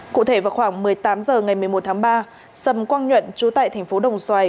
cụ thể vào khoảng một mươi tám h ngày một mươi một tháng ba sầm quang nhuận chú tại thành phố đồng xoài